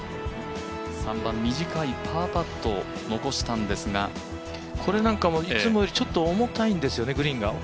３番、短いパーパットを残したんですがこれなんかも、いつもより重たいんですよね、グリーンが。